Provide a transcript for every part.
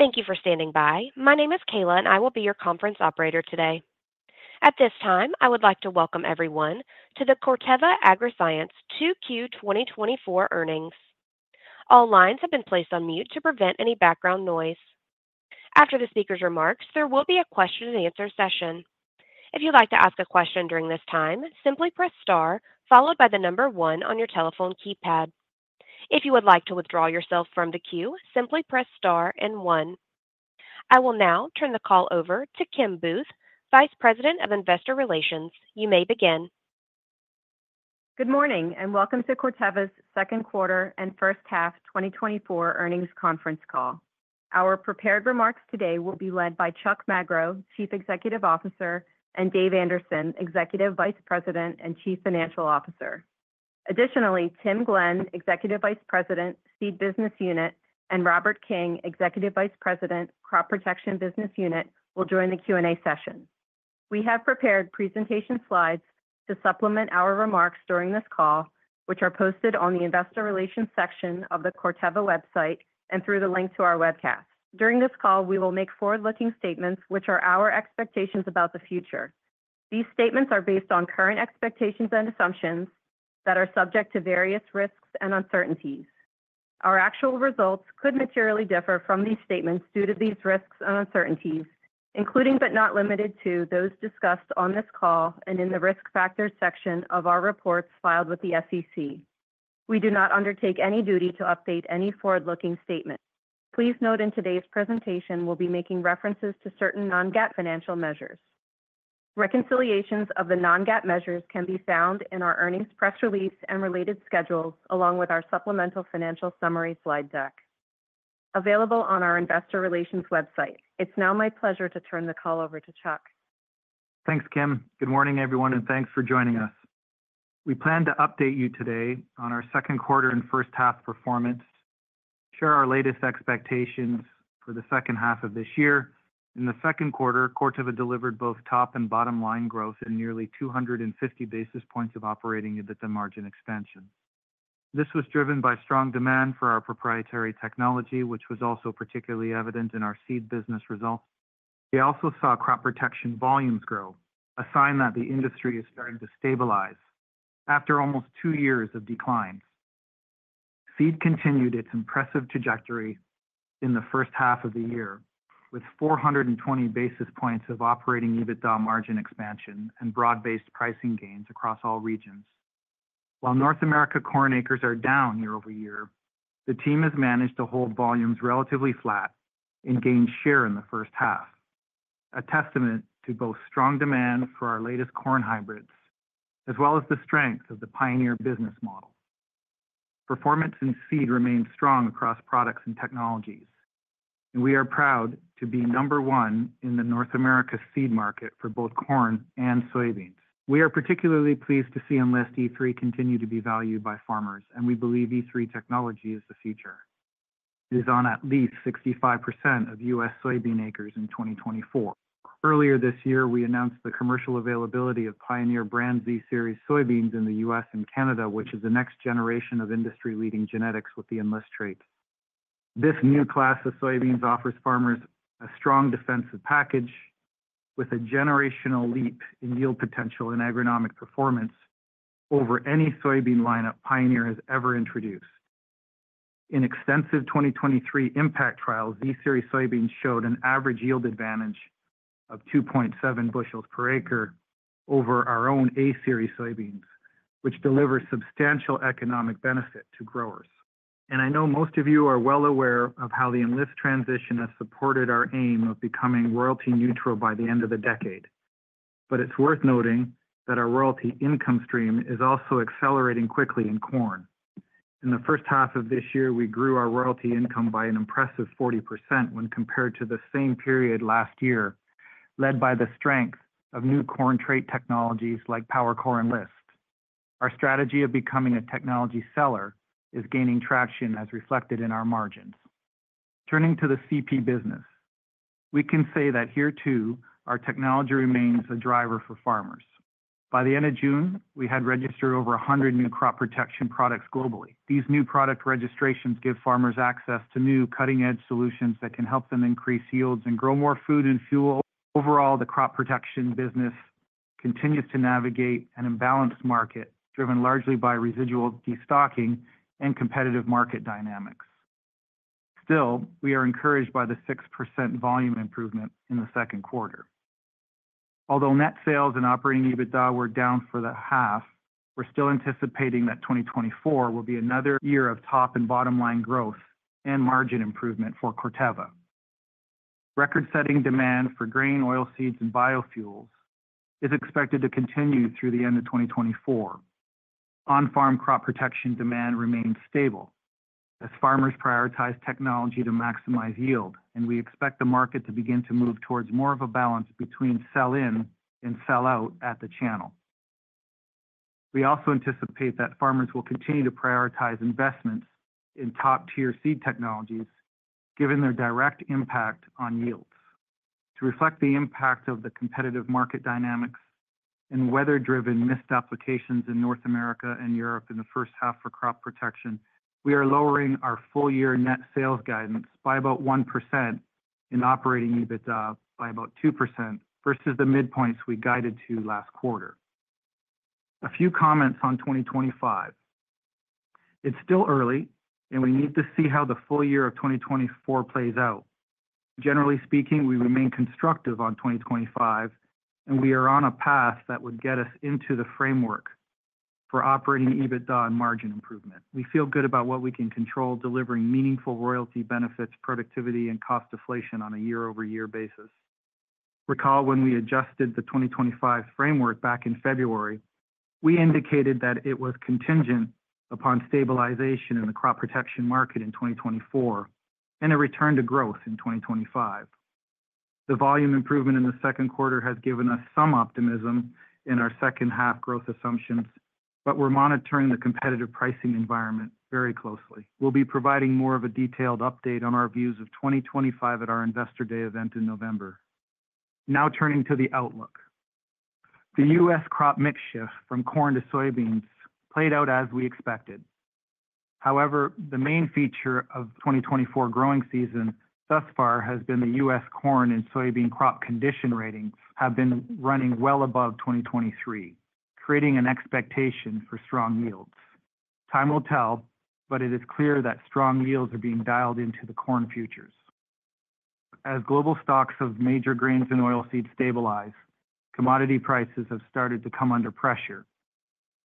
Thank you for standing by. My name is Kayla, and I will be your conference operator today. At this time, I would like to welcome everyone to the Corteva Agriscience Q2 2024 earnings. All lines have been placed on mute to prevent any background noise. After the speaker's remarks, there will be a question-and-answer session. If you'd like to ask a question during this time, simply press star, followed by the number one on your telephone keypad. If you would like to withdraw yourself from the queue, simply press star and one. I will now turn the call over to Kim Booth, Vice President of Investor Relations. You may begin. Good morning, and welcome to Corteva's second quarter and first half 2024 earnings conference call. Our prepared remarks today will be led by Chuck Magro, Chief Executive Officer, and Dave Anderson, Executive Vice President and Chief Financial Officer. Additionally, Tim Glenn, Executive Vice President, Seed Business Unit, and Robert King, Executive Vice President, Crop Protection Business Unit, will join the Q&A session. We have prepared presentation slides to supplement our remarks during this call, which are posted on the Investor Relations section of the Corteva website and through the link to our webcast. During this call, we will make forward-looking statements, which are our expectations about the future. These statements are based on current expectations and assumptions that are subject to various risks and uncertainties. Our actual results could materially differ from these statements due to these risks and uncertainties, including but not limited to those discussed on this call and in the risk factors section of our reports filed with the SEC. We do not undertake any duty to update any forward-looking statement. Please note in today's presentation, we'll be making references to certain non-GAAP financial measures. Reconciliations of the non-GAAP measures can be found in our earnings press release and related schedules, along with our supplemental financial summary slide deck available on our Investor Relations website. It's now my pleasure to turn the call over to Chuck. Thanks, Kim. Good morning, everyone, and thanks for joining us. We plan to update you today on our second quarter and first half performance, share our latest expectations for the second half of this year. In the second quarter, Corteva delivered both top and bottom line growth and nearly 250 basis points of operating EBITDA margin expansion. This was driven by strong demand for our proprietary technology, which was also particularly evident in our Seed business results. We also saw crop protection volumes grow, a sign that the industry is starting to stabilize after almost two years of declines. Seed continued its impressive trajectory in the first half of the year with 420 basis points of operating EBITDA margin expansion and broad-based pricing gains across all regions. While North America corn acres are down year-over-year, the team has managed to hold volumes relatively flat and gain share in the first half, a testament to both strong demand for our latest corn hybrids as well as the strength of the Pioneer business model. Performance in Seed remains strong across products and technologies, and we are proud to be number one in the North America Seed market for both corn and soybeans. We are particularly pleased to see Enlist E3 continue to be valued by farmers, and we believe E3 technology is the future. It is on at least 65% of U.S. soybean acres in 2024. Earlier this year, we announced the commercial availability of Pioneer brand Z Series soybeans in the U.S. and Canada, which is the next generation of industry-leading genetics with the Enlist trait. This new class of soybeans offers farmers a strong defensive package with a generational leap in yield potential and agronomic performance over any soybean lineup Pioneer has ever introduced. In extensive 2023 impact trials, Z Series soybeans showed an average yield advantage of 2.7 bushels per acre over our own A Series soybeans, which delivers substantial economic benefit to growers. I know most of you are well aware of how the Enlist transition has supported our aim of becoming royalty neutral by the end of the decade, but it's worth noting that our royalty income stream is also accelerating quickly in corn. In the first half of this year, we grew our royalty income by an impressive 40% when compared to the same period last year, led by the strength of new corn trait technologies like PowerCore Enlist. Our strategy of becoming a technology seller is gaining traction, as reflected in our margins. Turning to the CP business, we can say that here too, our technology remains a driver for farmers. By the end of June, we had registered over 100 new crop protection products globally. These new product registrations give farmers access to new cutting-edge solutions that can help them increase yields and grow more food and fuel. Overall, the crop protection business continues to navigate an imbalanced market driven largely by residual destocking and competitive market dynamics. Still, we are encouraged by the 6% volume improvement in the second quarter. Although net sales and operating EBITDA were down for the half, we're still anticipating that 2024 will be another year of top and bottom line growth and margin improvement for Corteva. Record-setting demand for grain, oilseeds, and biofuels is expected to continue through the end of 2024. On-farm crop protection demand remains stable as farmers prioritize technology to maximize yield, and we expect the market to begin to move towards more of a balance between sell-in and sell-out at the channel. We also anticipate that farmers will continue to prioritize investments in top-tier Seed technologies, given their direct impact on yields. To reflect the impact of the competitive market dynamics and weather-driven missed applications in North America and Europe in the first half for crop protection, we are lowering our full-year net sales guidance by about 1% and operating EBITDA by about 2% versus the midpoints we guided to last quarter. A few comments on 2025. It's still early, and we need to see how the full year of 2024 plays out. Generally speaking, we remain constructive on 2025, and we are on a path that would get us into the framework for operating EBITDA and margin improvement. We feel good about what we can control, delivering meaningful royalty benefits, productivity, and cost deflation on a year-over-year basis. Recall when we adjusted the 2025 framework back in February. We indicated that it was contingent upon stabilization in the crop protection market in 2024 and a return to growth in 2025. The volume improvement in the second quarter has given us some optimism in our second half growth assumptions, but we're monitoring the competitive pricing environment very closely. We'll be providing more of a detailed update on our views of 2025 at our Investor Day event in November. Now turning to the outlook, the U.S. crop mix shift from corn to soybeans played out as we expected. However, the main feature of 2024 growing season thus far has been the U.S. corn and soybean crop condition ratings have been running well above 2023, creating an expectation for strong yields. Time will tell, but it is clear that strong yields are being dialed into the corn futures. As global stocks of major grains and oilseeds stabilize, commodity prices have started to come under pressure,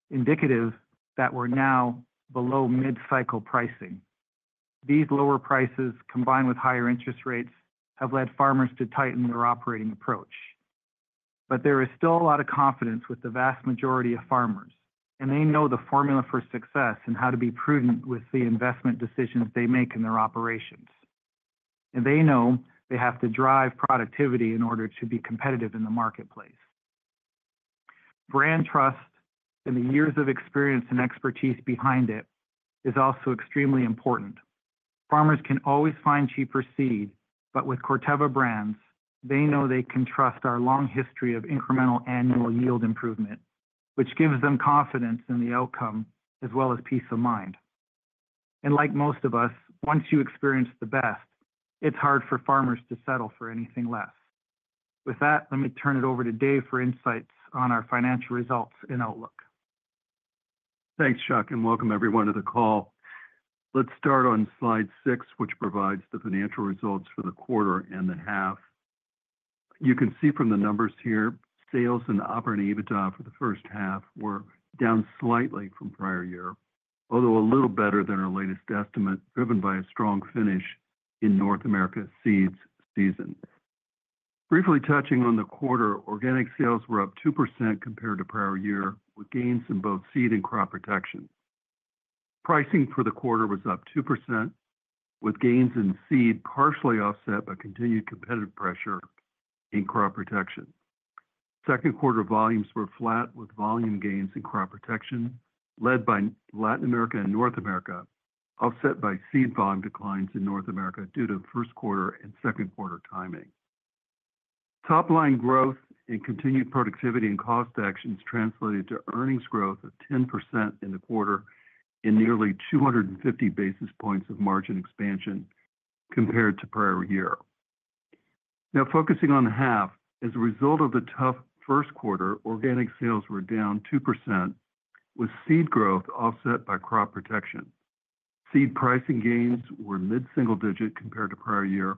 indicative that we're now below mid-cycle pricing. These lower prices, combined with higher interest rates, have led farmers to tighten their operating approach. But there is still a lot of confidence with the vast majority of farmers, and they know the formula for success and how to be prudent with the investment decisions they make in their operations. And they know they have to drive productivity in order to be competitive in the marketplace. Brand trust and the years of experience and expertise behind it is also extremely important. Farmers can always find cheaper Seed, but with Corteva brands, they know they can trust our long history of incremental annual yield improvement, which gives them confidence in the outcome as well as peace of mind. Like most of us, once you experience the best, it's hard for farmers to settle for anything less. With that, let me turn it over to Dave for insights on our financial results and outlook. Thanks, Chuck, and welcome everyone to the call. Let's start on slide six, which provides the financial results for the quarter and the half. You can see from the numbers here, sales and operating EBITDA for the first half were down slightly from prior year, although a little better than our latest estimate, driven by a strong finish in North America Seeds season. Briefly touching on the quarter, organic sales were up 2% compared to prior year, with gains in both Seed and crop protection. Pricing for the quarter was up 2%, with gains in Seed partially offset by continued competitive pressure in crop protection. Second quarter volumes were flat, with volume gains in crop protection led by Latin America and North America, offset by Seed volume declines in North America due to first quarter and second quarter timing. Top-line growth and continued productivity and cost actions translated to earnings growth of 10% in the quarter and nearly 250 basis points of margin expansion compared to prior year. Now, focusing on the half, as a result of the tough first quarter, organic sales were down 2%, with Seed growth offset by crop protection. Seed pricing gains were mid-single digit compared to prior year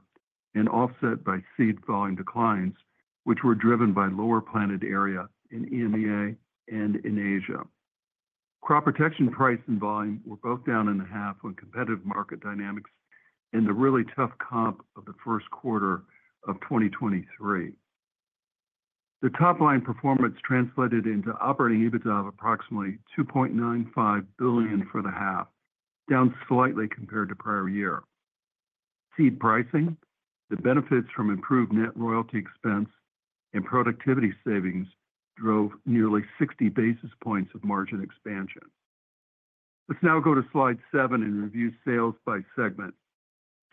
and offset by Seed volume declines, which were driven by lower planted area in EMEA and in Asia. Crop protection price and volume were both down in the half on competitive market dynamics and the really tough comp of the first quarter of 2023. The top-line performance translated into operating EBITDA of approximately $2.95 billion for the half, down slightly compared to prior year. Seed pricing, the benefits from improved net royalty expense, and productivity savings drove nearly 60 basis points of margin expansion. Let's now go to slide seven and review sales by segment.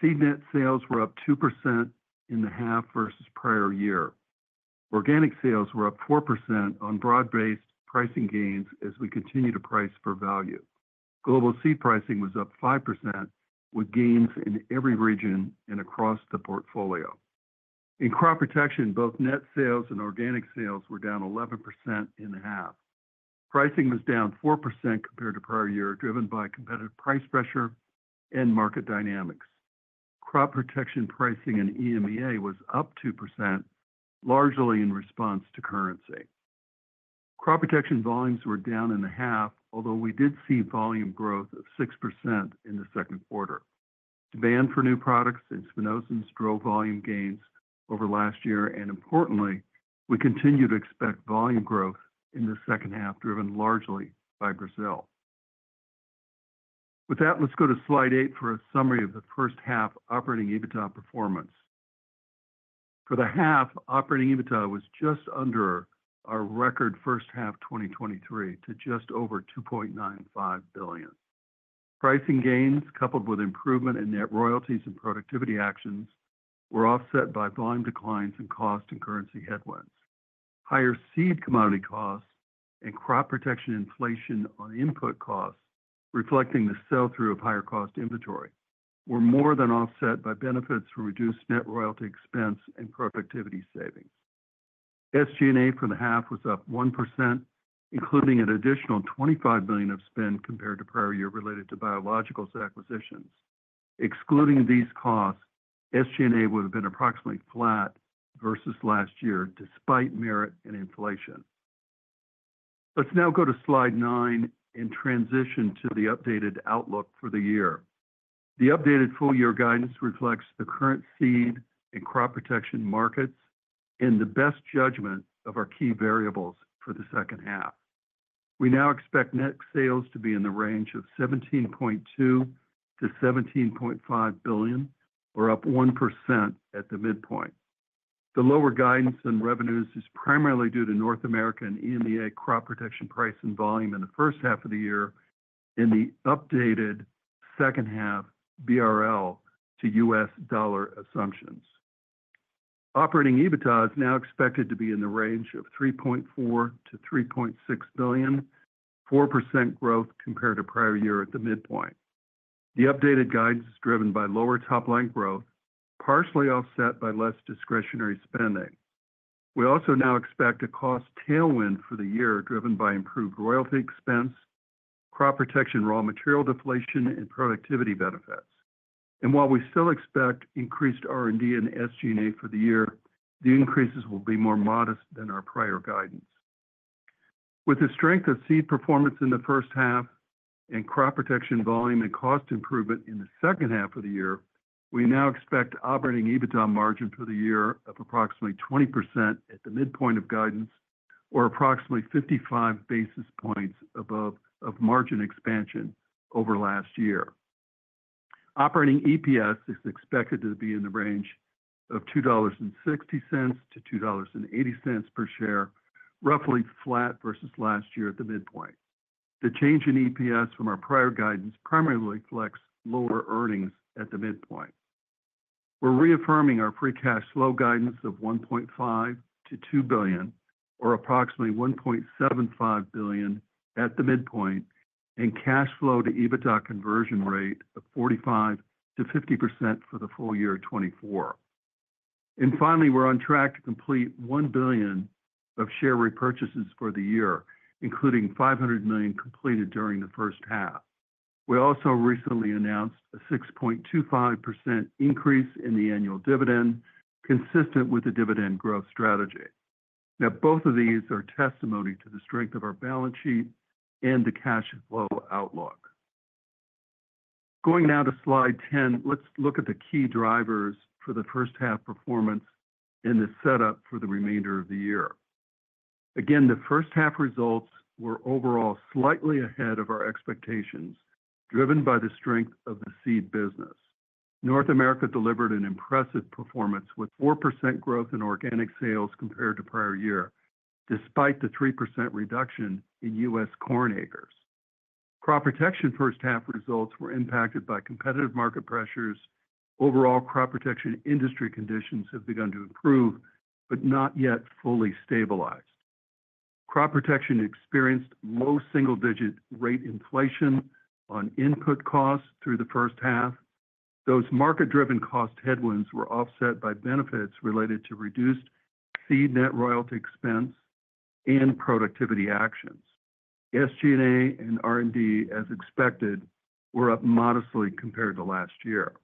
Seed net sales were up 2% in the half versus prior year. Organic sales were up 4% on broad-based pricing gains as we continue to price for value. Global Seed pricing was up 5%, with gains in every region and across the portfolio. In crop protection, both net sales and organic sales were down 11% in the half. Pricing was down 4% compared to prior year, driven by competitive price pressure and market dynamics. Crop protection pricing in EMEA was up 2%, largely in response to currency. Crop protection volumes were down in the half, although we did see volume growth of 6% in the second quarter. Demand for new products and spinosyns drove volume gains over last year, and importantly, we continue to expect volume growth in the second half, driven largely by Brazil. With that, let's go to slide eight for a summary of the first half operating EBITDA performance. For the half, operating EBITDA was just under our record first half 2023 to just over $2.95 billion. Pricing gains, coupled with improvement in net royalties and productivity actions, were offset by volume declines in cost and currency headwinds. Higher Seed commodity costs and crop protection inflation on input costs, reflecting the sell-through of higher-cost inventory, were more than offset by benefits from reduced net royalty expense and productivity savings. SG&A for the half was up 1%, including an additional $25 million of spend compared to prior year related to biologicals acquisitions. Excluding these costs, SG&A would have been approximately flat versus last year, despite merit and inflation. Let's now go to slide nine and transition to the updated outlook for the year. The updated full-year guidance reflects the current Seed and crop protection markets and the best judgment of our key variables for the second half. We now expect net sales to be in the range of $17.2 billion-$17.5 billion, or up 1% at the midpoint. The lower guidance in revenues is primarily due to North America and EMEA crop protection price and volume in the first half of the year and the updated second half BRL to U.S. dollar assumptions. Operating EBITDA is now expected to be in the range of $3.4 billion-$3.6 billion, 4% growth compared to prior year at the midpoint. The updated guidance is driven by lower top-line growth, partially offset by less discretionary spending. We also now expect a cost tailwind for the year, driven by improved royalty expense, crop protection raw material deflation, and productivity benefits. While we still expect increased R&D and SG&A for the year, the increases will be more modest than our prior guidance. With the strength of Seed performance in the first half and crop protection volume and cost improvement in the second half of the year, we now expect operating EBITDA margin for the year of approximately 20% at the midpoint of guidance, or approximately 55 basis points above margin expansion over last year. Operating EPS is expected to be in the range of $2.60-$2.80 per share, roughly flat versus last year at the midpoint. The change in EPS from our prior guidance primarily reflects lower earnings at the midpoint. We're reaffirming our free cash flow guidance of $1.5 billion-$2 billion, or approximately $1.75 billion at the midpoint, and cash flow to EBITDA conversion rate of 45%-50% for the full year 2024. Finally, we're on track to complete $1 billion of share repurchases for the year, including $500 million completed during the first half. We also recently announced a 6.25% increase in the annual dividend, consistent with the dividend growth strategy. Now, both of these are testimony to the strength of our balance sheet and the cash flow outlook. Going now to slide 10, let's look at the key drivers for the first half performance and the setup for the remainder of the year. Again, the first half results were overall slightly ahead of our expectations, driven by the strength of the Seed business. North America delivered an impressive performance with 4% growth in organic sales compared to prior year, despite the 3% reduction in U.S. corn acres. Crop protection first half results were impacted by competitive market pressures. Overall, crop protection industry conditions have begun to improve, but not yet fully stabilized. Crop protection experienced low single-digit rate inflation on input costs through the first half. Those market-driven cost headwinds were offset by benefits related to reduced Seed net royalty expense and productivity actions. SG&A and R&D, as expected, were up modestly compared to last year.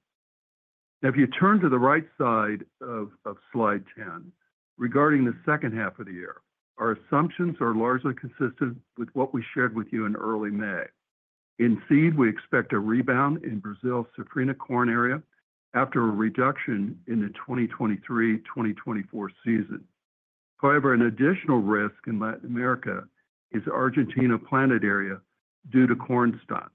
Now, if you turn to the right side of slide 10, regarding the second half of the year, our assumptions are largely consistent with what we shared with you in early May. In Seed, we expect a rebound in Brazil's Safrinha corn area after a reduction in the 2023,2024 season. However, an additional risk in Latin America is Argentina planted area due to corn stunt.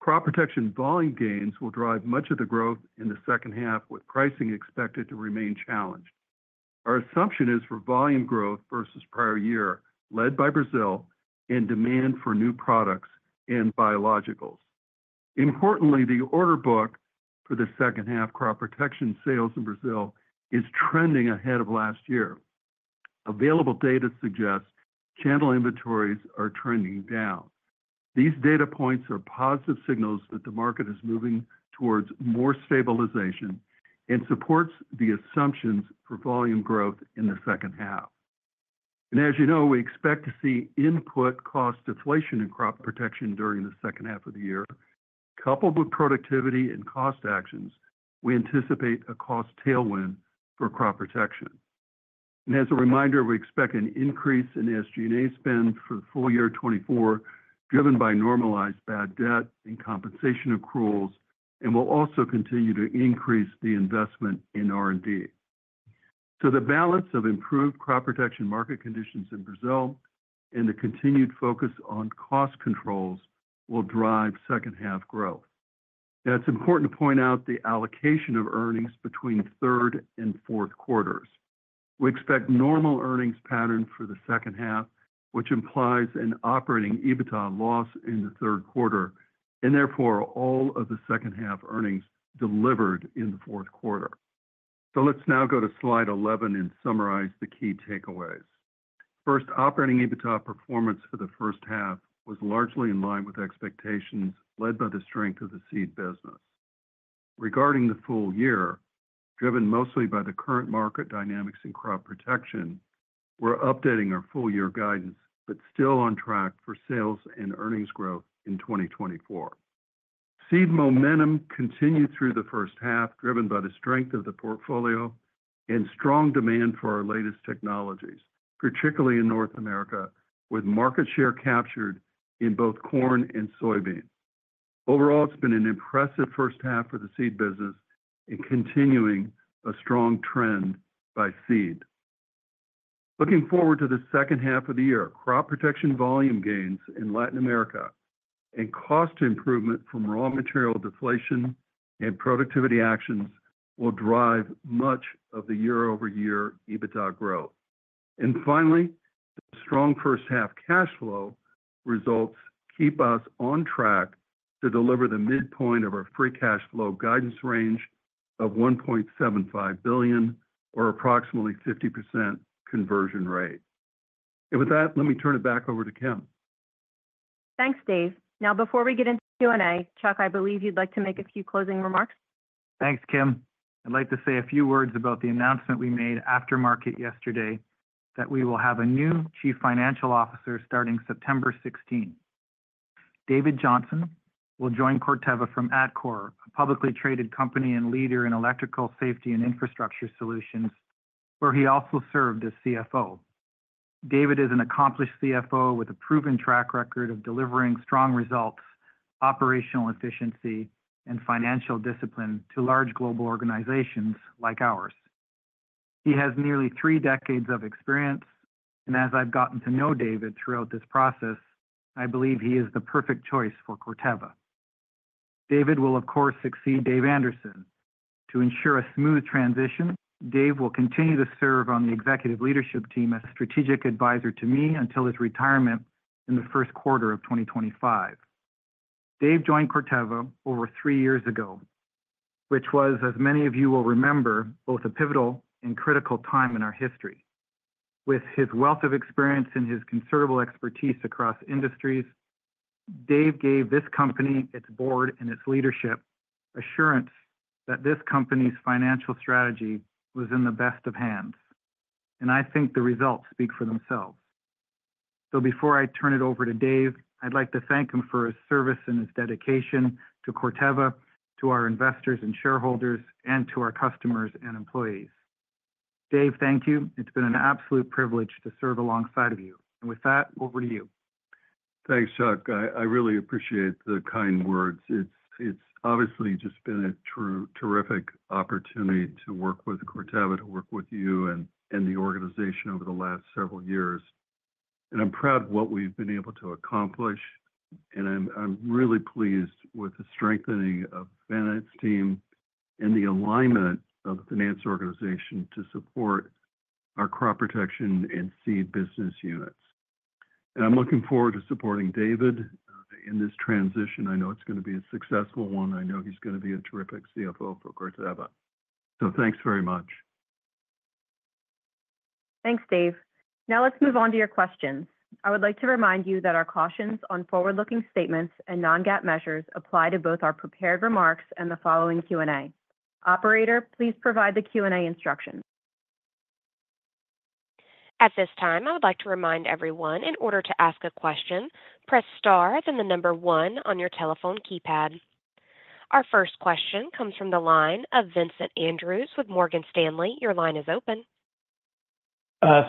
Crop protection volume gains will drive much of the growth in the second half, with pricing expected to remain challenged. Our assumption is for volume growth versus prior year, led by Brazil and demand for new products and biologicals. Importantly, the order book for the second half crop protection sales in Brazil is trending ahead of last year. Available data suggests channel inventories are trending down. These data points are positive signals that the market is moving towards more stabilization and supports the assumptions for volume growth in the second half. And as you know, we expect to see input cost deflation in crop protection during the second half of the year. Coupled with productivity and cost actions, we anticipate a cost tailwind for crop protection. And as a reminder, we expect an increase in SG&A spend for the full year 2024, driven by normalized bad debt and compensation accruals, and we'll also continue to increase the investment in R&D. So the balance of improved crop protection market conditions in Brazil and the continued focus on cost controls will drive second half growth. Now, it's important to point out the allocation of earnings between third and fourth quarters. We expect normal earnings pattern for the second half, which implies an operating EBITDA loss in the third quarter, and therefore all of the second half earnings delivered in the fourth quarter. So let's now go to slide 11 and summarize the key takeaways. First, operating EBITDA performance for the first half was largely in line with expectations, led by the strength of the Seed business. Regarding the full year, driven mostly by the current market dynamics and crop protection, we're updating our full-year guidance, but still on track for sales and earnings growth in 2024. Seed momentum continued through the first half, driven by the strength of the portfolio and strong demand for our latest technologies, particularly in North America, with market share captured in both corn and soybeans. Overall, it's been an impressive first half for the Seed business and continuing a strong trend by Seed. Looking forward to the second half of the year, crop protection volume gains in Latin America and cost improvement from raw material deflation and productivity actions will drive much of the year-over-year EBITDA growth. And finally, the strong first half cash flow results keep us on track to deliver the midpoint of our free cash flow guidance range of $1.75 billion, or approximately 50% conversion rate. And with that, let me turn it back over to Kim. Thanks, Dave. Now, before we get into Q&A, Chuck, I believe you'd like to make a few closing remarks. Thanks, Kim. I'd like to say a few words about the announcement we made after market yesterday that we will have a new Chief Financial Officer starting September 16. David Johnson will join Corteva from Atkore, a publicly traded company and leader in electrical safety and infrastructure solutions, where he also served as CFO. David is an accomplished CFO with a proven track record of delivering strong results, operational efficiency, and financial discipline to large global organizations like ours. He has nearly three decades of experience, and as I've gotten to know David throughout this process, I believe he is the perfect choice for Corteva. David will, of course, succeed Dave Anderson to ensure a smooth transition. Dave will continue to serve on the executive leadership team as a strategic advisor to me until his retirement in the first quarter of 2025. Dave joined Corteva over three years ago, which was, as many of you will remember, both a pivotal and critical time in our history. With his wealth of experience and his considerable expertise across industries, Dave gave this company, its board, and its leadership assurance that this company's financial strategy was in the best of hands. And I think the results speak for themselves. So before I turn it over to Dave, I'd like to thank him for his service and his dedication to Corteva, to our investors and shareholders, and to our customers and employees. Dave, thank you. It's been an absolute privilege to serve alongside of you. And with that, over to you. Thanks, Chuck. I really appreciate the kind words. It's obviously just been a terrific opportunity to work with Corteva, to work with you and the organization over the last several years. I'm proud of what we've been able to accomplish, and I'm really pleased with the strengthening of the finance team and the alignment of the finance organization to support our crop protection and Seed business units. I'm looking forward to supporting David in this transition. I know it's going to be a successful one. I know he's going to be a terrific CFO for Corteva. So thanks very much. Thanks, Dave. Now let's move on to your questions. I would like to remind you that our cautions on forward-looking statements and non-GAAP measures apply to both our prepared remarks and the following Q&A. Operator, please provide the Q&A instructions. At this time, I would like to remind everyone, in order to ask a question, press star and then the number one on your telephone keypad. Our first question comes from the line of Vincent Andrews with Morgan Stanley. Your line is open.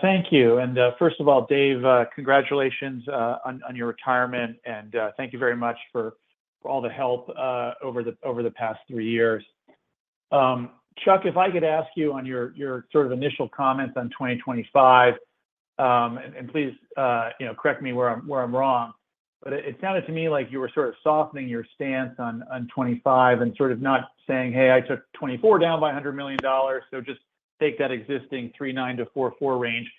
Thank you. And first of all, Dave, congratulations on your retirement, and thank you very much for all the help over the past three years. Chuck, if I could ask you on your sort of initial comments on 2025, and please correct me where I'm wrong, but it sounded to me like you were sort of softening your stance on 2025 and sort of not saying, "Hey, I took 2024 down by $100 million, so just take that existing $3.9-$4.4 range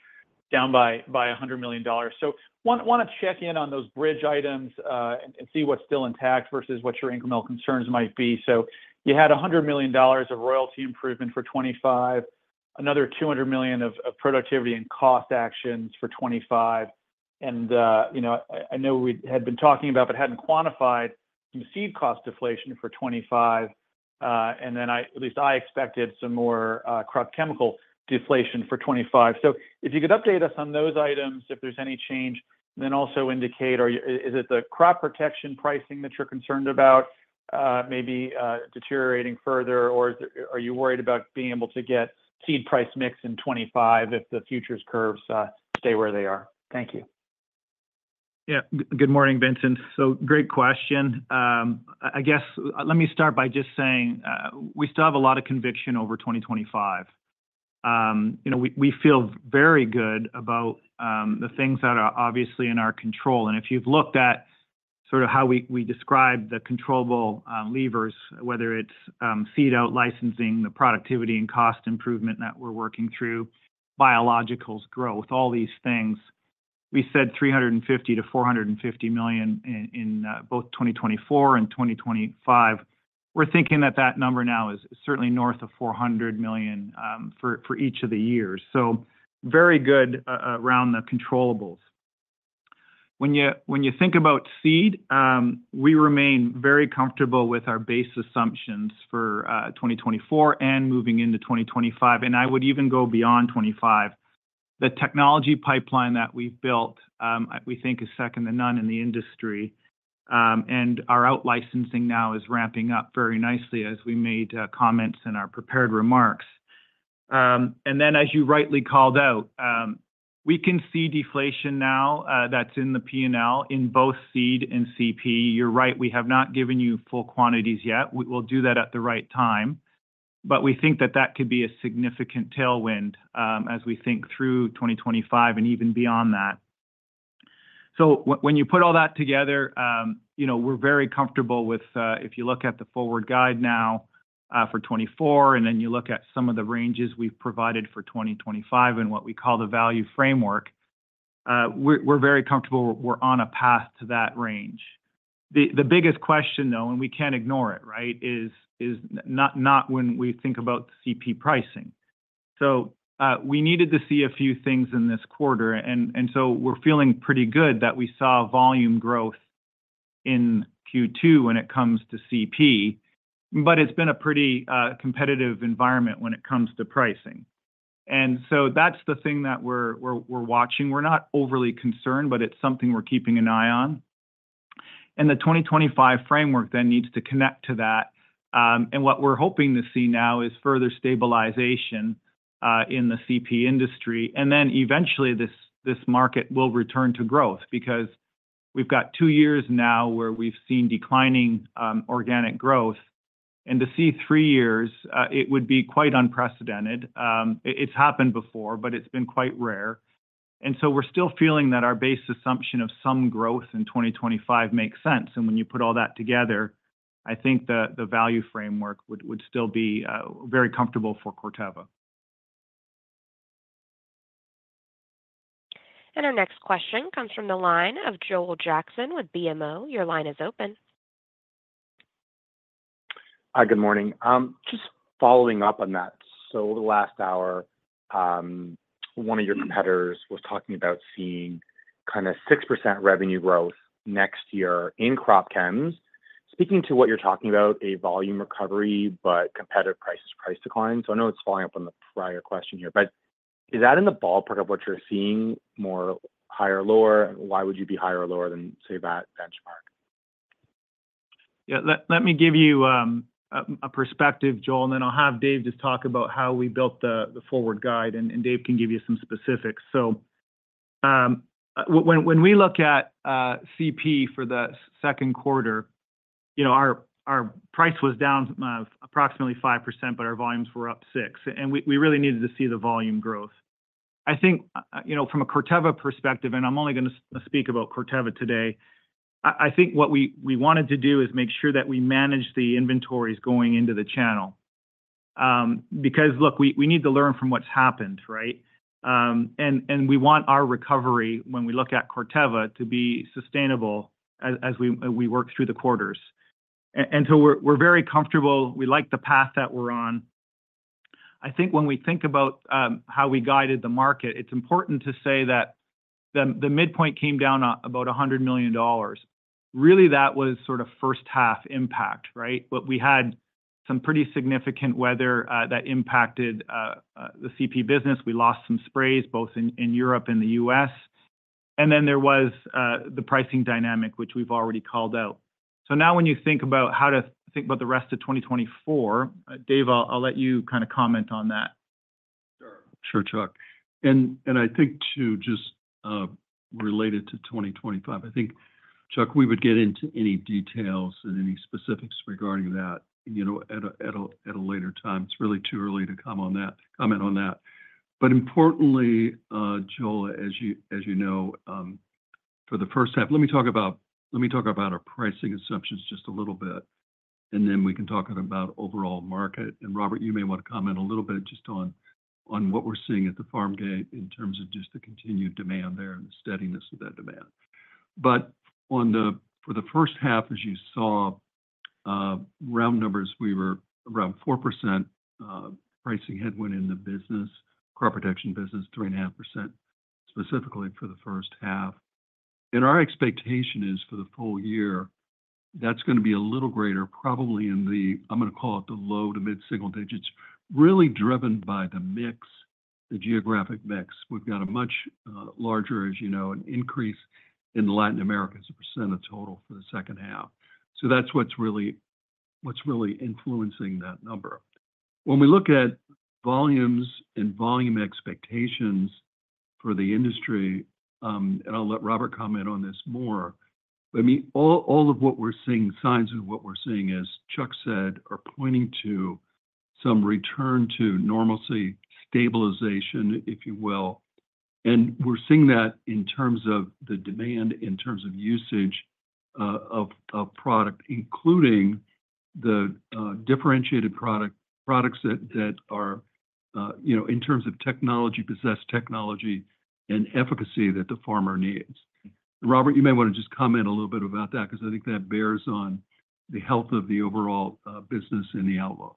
down by $100 million." So I want to check in on those bridge items and see what's still intact versus what your incremental concerns might be. So you had $100 million of royalty improvement for 2025, another $200 million of productivity and cost actions for 2025. And I know we had been talking about, but hadn't quantified, some Seed cost deflation for 2025, and then at least I expected some more crop chemical deflation for 2025. So if you could update us on those items, if there's any change, then also indicate, is it the crop protection pricing that you're concerned about maybe deteriorating further, or are you worried about being able to get Seed price mix in 2025 if the futures curves stay where they are? Thank you. Yeah. Good morning, Vincent. So great question. I guess let me start by just saying we still have a lot of conviction over 2025. We feel very good about the things that are obviously in our control. And if you've looked at sort of how we describe the controllable levers, whether it's Seed out licensing, the productivity and cost improvement that we're working through, biologicals growth, all these things, we said $350 million-$450 million in both 2024 and 2025. We're thinking that that number now is certainly north of $400 million for each of the years. So very good around the controllable. When you think about Seed, we remain very comfortable with our base assumptions for 2024 and moving into 2025, and I would even go beyond 2025. The technology pipeline that we've built, we think, is second to none in the industry, and our out licensing now is ramping up very nicely as we made comments in our prepared remarks. And then, as you rightly called out, we can see deflation now that's in the P&L in both Seed and CP. You're right. We have not given you full quantities yet. We'll do that at the right time, but we think that that could be a significant tailwind as we think through 2025 and even beyond that. So when you put all that together, we're very comfortable with, if you look at the forward guide now for 2024, and then you look at some of the ranges we've provided for 2025 and what we call the value framework, we're very comfortable. We're on a path to that range. The biggest question, though, and we can't ignore it, right, is not when we think about CP pricing. So we needed to see a few things in this quarter, and so we're feeling pretty good that we saw volume growth in Q2 when it comes to CP, but it's been a pretty competitive environment when it comes to pricing. And so that's the thing that we're watching. We're not overly concerned, but it's something we're keeping an eye on. And the 2025 framework then needs to connect to that. And what we're hoping to see now is further stabilization in the CP industry. And then eventually, this market will return to growth because we've got two years now where we've seen declining organic growth. And to see three years, it would be quite unprecedented. It's happened before, but it's been quite rare. And so we're still feeling that our base assumption of some growth in 2025 makes sense. And when you put all that together, I think the value framework would still be very comfortable for Corteva. And our next question comes from the line of Joel Jackson with BMO. Your line is open. Hi, good morning. Just following up on that. So over the last hour, one of your competitors was talking about seeing kind of 6% revenue growth next year in crop chems. Speaking to what you're talking about, a volume recovery, but competitive prices, price declines. So I know it's following up on the prior question here, but is that in the ballpark of what you're seeing, more higher or lower? And why would you be higher or lower than, say, that benchmark? Yeah. Let me give you a perspective, Joel, and then I'll have Dave just talk about how we built the forward guide, and Dave can give you some specifics. So when we look at CP for the second quarter, our price was down approximately 5%, but our volumes were up 6%. And we really needed to see the volume growth. I think from a Corteva perspective, and I'm only going to speak about Corteva today, I think what we wanted to do is make sure that we manage the inventories going into the channel because, look, we need to learn from what's happened, right? And we want our recovery, when we look at Corteva, to be sustainable as we work through the quarters. And so we're very comfortable. We like the path that we're on. I think when we think about how we guided the market, it's important to say that the midpoint came down about $100 million. Really, that was sort of first half impact, right? But we had some pretty significant weather that impacted the CP business. We lost some sprays both in Europe and the U.S. And then there was the pricing dynamic, which we've already called out. So now when you think about how to think about the rest of 2024, Dave, I'll let you kind of comment on that. Sure, Chuck. And I think too just related to 2025, I think, Chuck, we would get into any details and any specifics regarding that at a later time. It's really too early to comment on that. But importantly, Joel, as you know, for the first half, let me talk about our pricing assumptions just a little bit, and then we can talk about overall market. And Robert, you may want to comment a little bit just on what we're seeing at the farm gate in terms of just the continued demand there and the steadiness of that demand. But for the first half, as you saw, round numbers, we were around 4% pricing headwind in the business, crop protection business, 3.5% specifically for the first half. And our expectation is for the full year, that's going to be a little greater, probably in the, I'm going to call it the low to mid-single digits, really driven by the geographic mix. We've got a much larger, as you know, an increase in Latin America as a percent of total for the second half. So that's what's really influencing that number. When we look at volumes and volume expectations for the industry, and I'll let Robert comment on this more, but I mean, all of what we're seeing, signs of what we're seeing, as Chuck said, are pointing to some return to normalcy, stabilization, if you will. And we're seeing that in terms of the demand, in terms of usage of product, including the differentiated products that are in terms of technology, possess technology and efficacy that the farmer needs. Robert, you may want to just comment a little bit about that because I think that bears on the health of the overall business and the outlook.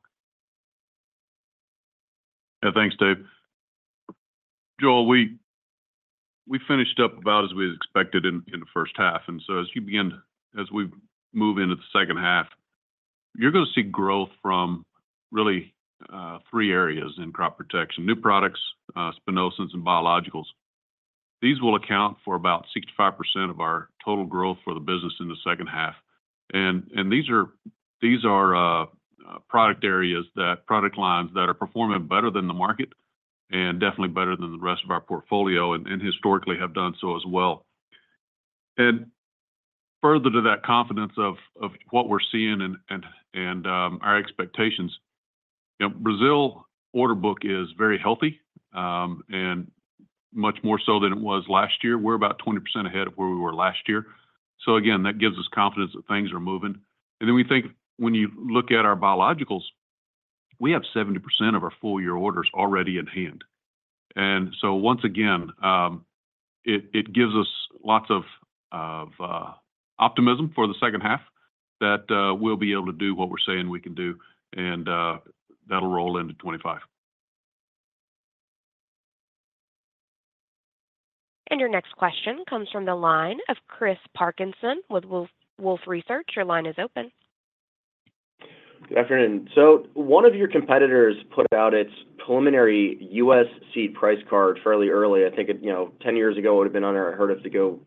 Yeah. Thanks, Dave. Joel, we finished up about as we expected in the first half. And so as we move into the second half, you're going to see growth from really three areas in crop protection: new products, Spinosas, and biologicals. These will account for about 65% of our total growth for the business in the second half. And these are product lines that are performing better than the market and definitely better than the rest of our portfolio and historically have done so as well. And further to that confidence of what we're seeing and our expectations, Brazil order book is very healthy and much more so than it was last year. We're about 20% ahead of where we were last year. So again, that gives us confidence that things are moving. And then we think when you look at our biologicals, we have 70% of our full-year orders already in hand. And so once again, it gives us lots of optimism for the second half that we'll be able to do what we're saying we can do, and that'll roll into 2025. And your next question comes from the line of Chris Parkinson with Wolfe Research. Your line is open. Good afternoon. So one of your competitors put out its preliminary U.S. Seed price card fairly early. I think 10 years ago, it would have been unheard of to go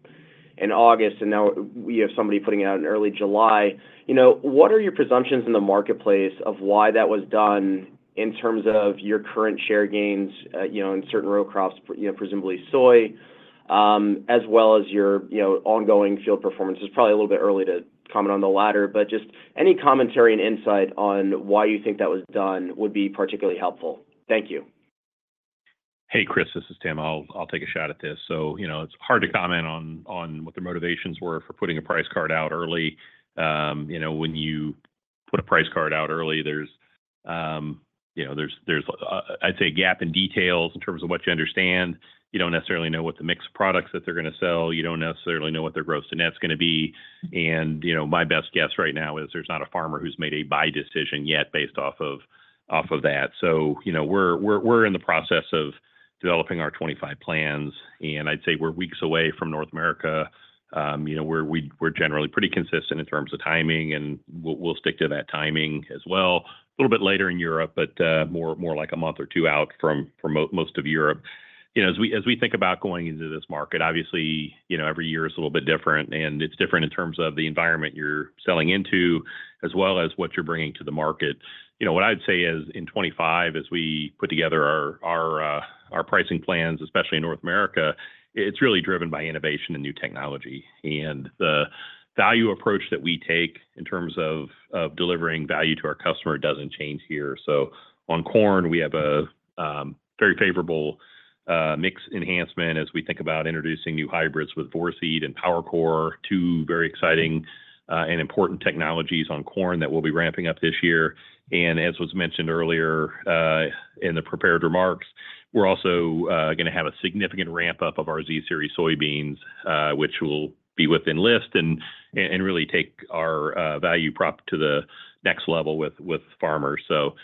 in August, and now we have somebody putting it out in early July. What are your presumptions in the marketplace of why that was done in terms of your current share gains in certain row crops, presumably soy, as well as your ongoing field performance? It's probably a little bit early to comment on the latter, but just any commentary and insight on why you think that was done would be particularly helpful. Thank you. Hey, Chris, this is Tim. I'll take a shot at this. So it's hard to comment on what the motivations were for putting a price card out early. When you put a price card out early, there's, I'd say, a gap in details in terms of what you understand. You don't necessarily know what the mix of products that they're going to sell. You don't necessarily know what their gross net's going to be. My best guess right now is there's not a farmer who's made a buy decision yet based off of that. So we're in the process of developing our 2025 plans, and I'd say we're weeks away from North America. We're generally pretty consistent in terms of timing, and we'll stick to that timing as well. A little bit later in Europe, but more like a month or two out from most of Europe. As we think about going into this market, obviously, every year is a little bit different, and it's different in terms of the environment you're selling into as well as what you're bringing to the market. What I'd say is in 2025, as we put together our pricing plans, especially in North America, it's really driven by innovation and new technology. And the value approach that we take in terms of delivering value to our customer doesn't change here. So on corn, we have a very favorable mix enhancement as we think about introducing new hybrids with Vorceed and PowerCore, two very exciting and important technologies on corn that we'll be ramping up this year. And as was mentioned earlier in the prepared remarks, we're also going to have a significant ramp-up of our Z Series soybeans, which will be with Enlist and really take our value prop to the next level with farmers. So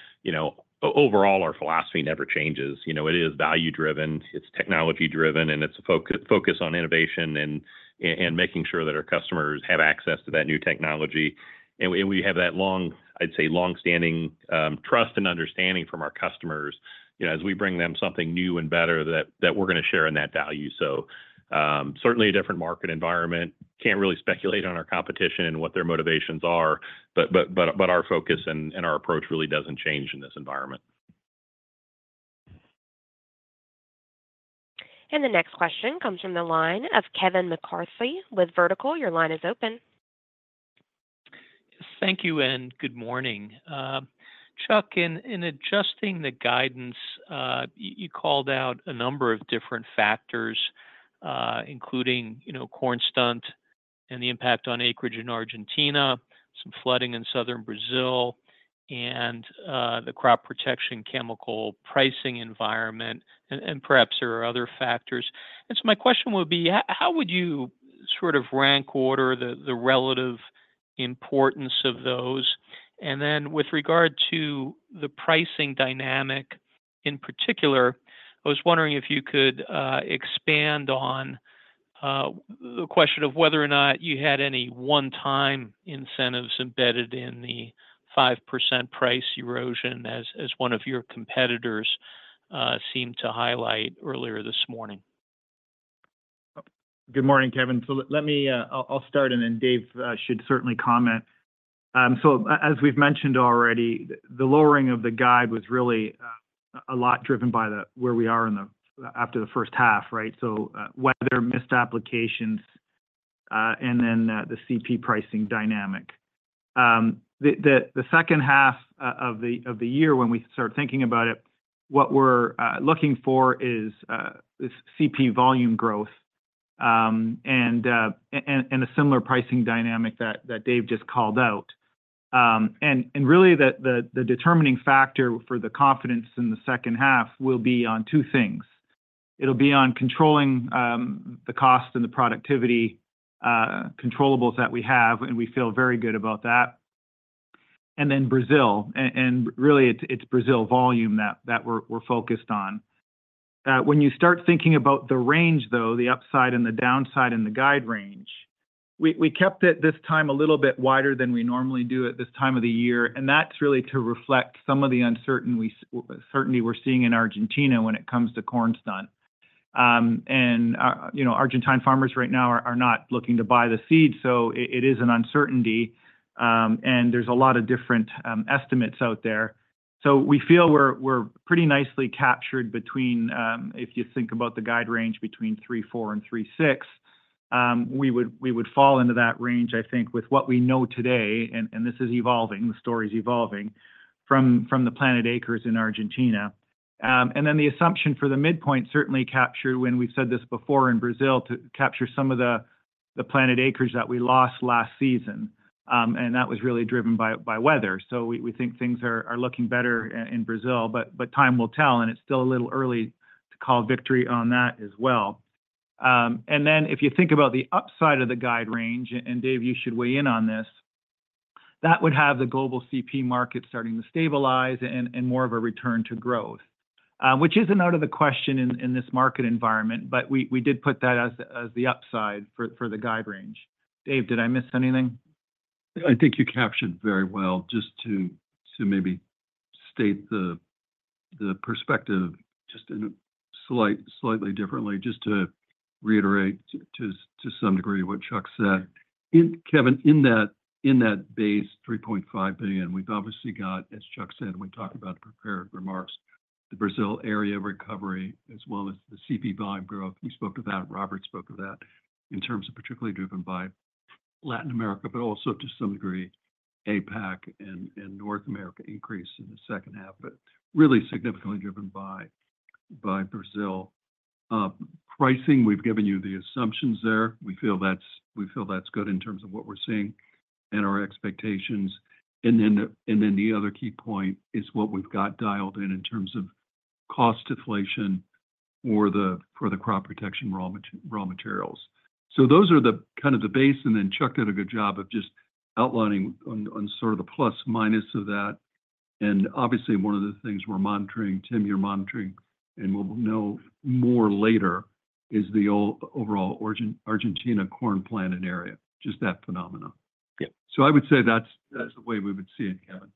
overall, our philosophy never changes. It is value-driven. It's technology-driven, and it's a focus on innovation and making sure that our customers have access to that new technology. And we have that, I'd say, long-standing trust and understanding from our customers as we bring them something new and better that we're going to share in that value. So certainly a different market environment. Can't really speculate on our competition and what their motivations are, but our focus and our approach really doesn't change in this environment. And the next question comes from the line of Kevin McCarthy with Vertical. Your line is open. Thank you and good morning. Chuck, in adjusting the guidance, you called out a number of different factors, including corn stunt and the impact on acreage in Argentina, some flooding in southern Brazil, and the crop protection chemical pricing environment, and perhaps there are other factors. And so my question would be, how would you sort of rank order the relative importance of those? With regard to the pricing dynamic in particular, I was wondering if you could expand on the question of whether or not you had any one-time incentives embedded in the 5% price erosion as one of your competitors seemed to highlight earlier this morning. Good morning, Kevin. I'll start, and then Dave should certainly comment. As we've mentioned already, the lowering of the guide was really a lot driven by where we are after the first half, right? Weather, missed applications, and then the CP pricing dynamic. The second half of the year, when we started thinking about it, what we're looking for is CP volume growth and a similar pricing dynamic that Dave just called out. Really, the determining factor for the confidence in the second half will be on two things. It'll be on controlling the cost and the productivity controllables that we have, and we feel very good about that. And then Brazil, and really, it's Brazil volume that we're focused on. When you start thinking about the range, though, the upside and the downside and the guide range, we kept it this time a little bit wider than we normally do at this time of the year. And that's really to reflect some of the uncertainty we're seeing in Argentina when it comes to corn stunt. And Argentine farmers right now are not looking to buy the Seed, so it is an uncertainty, and there's a lot of different estimates out there. So we feel we're pretty nicely captured between, if you think about the guide range, between 3.4 and 3.6. We would fall into that range, I think, with what we know today, and this is evolving. The story is evolving from the planted acres in Argentina. Then the assumption for the midpoint certainly captured, when we've said this before in Brazil, to capture some of the planted acres that we lost last season, and that was really driven by weather. We think things are looking better in Brazil, but time will tell, and it's still a little early to call victory on that as well. Then if you think about the upside of the guide range, and Dave, you should weigh in on this, that would have the global CP market starting to stabilize and more of a return to growth, which isn't out of the question in this market environment, but we did put that as the upside for the guide range. Dave, did I miss anything? I think you captured very well. Just to maybe state the perspective just slightly differently, just to reiterate to some degree what Chuck said. Kevin, in that base, $3.5 billion, we've obviously got, as Chuck said, and we talked about prepared remarks, the Brazil area recovery as well as the CP volume growth. We spoke of that. Robert spoke of that in terms of particularly driven by Latin America, but also to some degree APAC and North America increase in the second half, but really significantly driven by Brazil. Pricing, we've given you the assumptions there. We feel that's good in terms of what we're seeing and our expectations. And then the other key point is what we've got dialed in in terms of cost deflation for the crop protection raw materials. So those are kind of the base, and then Chuck did a good job of just outlining on sort of the plus/minus of that. And obviously, one of the things we're monitoring, Tim, you're monitoring, and we'll know more later, is the overall Argentina corn planted area, just that phenomenon. So I would say that's the way we would see it, Kevin.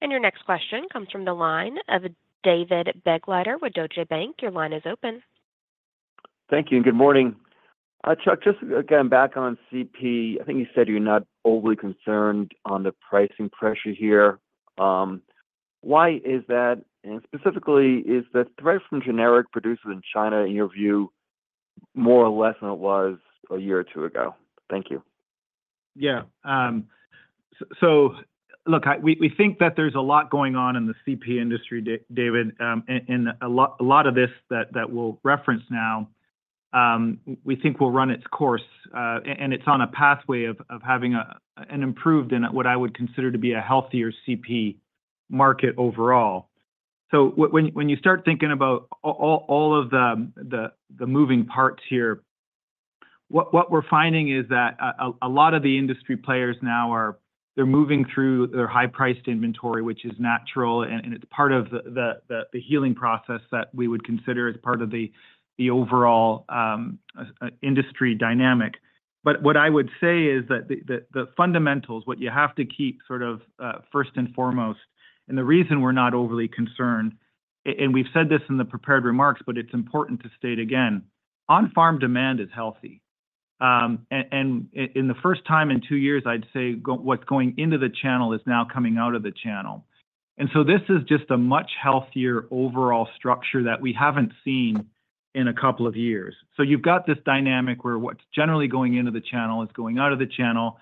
And your next question comes from the line of David Begleiter with Deutsche Bank. Your line is open. Thank you. And good morning. Chuck, just to get back on CP, I think you said you're not overly concerned on the pricing pressure here. Why is that? And specifically, is the threat from generic producers in China, in your view, more or less than it was a year or two ago? Thank you. Yeah. So look, we think that there's a lot going on in the CP industry, David, and a lot of this that we'll reference now, we think will run its course, and it's on a pathway of having an improved and what I would consider to be a healthier CP market overall. So when you start thinking about all of the moving parts here, what we're finding is that a lot of the industry players now are moving through their high-priced inventory, which is natural, and it's part of the healing process that we would consider as part of the overall industry dynamic. But what I would say is that the fundamentals, what you have to keep sort of first and foremost, and the reason we're not overly concerned, and we've said this in the prepared remarks, but it's important to state again, on-farm demand is healthy. For the first time in two years, I'd say what's going into the channel is now coming out of the channel. So this is just a much healthier overall structure that we haven't seen in a couple of years. You've got this dynamic where what's generally going into the channel is going out of the channel.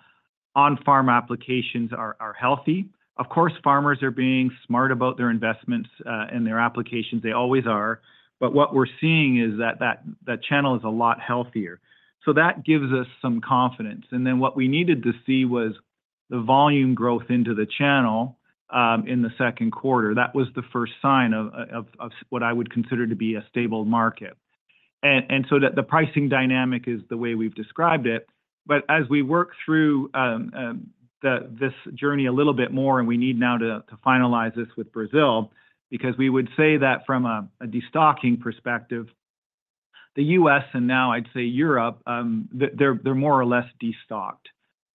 On-farm applications are healthy. Of course, farmers are being smart about their investments and their applications. They always are. But what we're seeing is that the channel is a lot healthier. So that gives us some confidence. And then what we needed to see was the volume growth into the channel in the second quarter. That was the first sign of what I would consider to be a stable market. And so the pricing dynamic is the way we've described it. But as we work through this journey a little bit more, and we need now to finalize this with Brazil, because we would say that from a destocking perspective, the U.S., and now I'd say Europe, they're more or less destocked.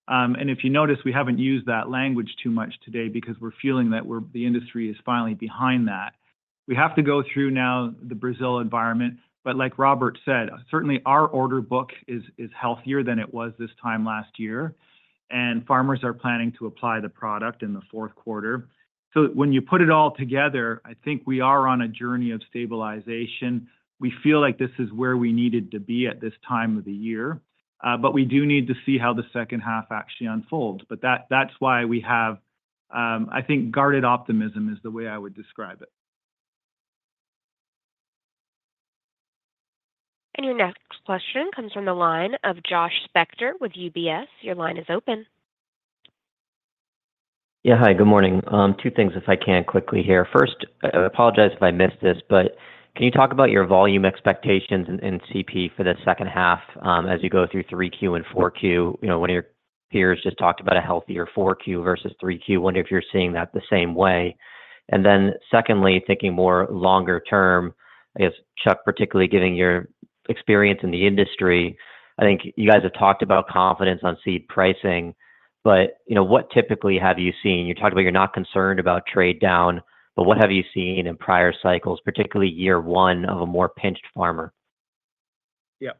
And if you notice, we haven't used that language too much today because we're feeling that the industry is finally behind that. We have to go through now the Brazil environment. But like Robert said, certainly our order book is healthier than it was this time last year, and farmers are planning to apply the product in the fourth quarter. So when you put it all together, I think we are on a journey of stabilization. We feel like this is where we needed to be at this time of the year, but we do need to see how the second half actually unfolds. But that's why we have, I think, guarded optimism is the way I would describe it. And your next question comes from the line of Josh Spector with UBS. Your line is open. Yeah. Hi. Good morning. Two things, if I can quickly here. First, I apologize if I missed this, but can you talk about your volume expectations in CP for the second half as you go through Q3 and Q4? One of your peers just talked about a healthier Q4 versus Q3. Wonder if you're seeing that the same way. And then secondly, thinking more longer term, I guess, Chuck, particularly given your experience in the industry, I think you guys have talked about confidence on Seed pricing, but what typically have you seen? You talked about you're not concerned about trade down, but what have you seen in prior cycles, particularly year one of a more pinched farmer? Yeah.